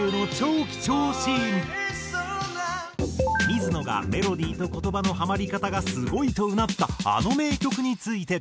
水野がメロディーと言葉のハマり方がすごいとうなったあの名曲について。